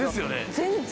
全然！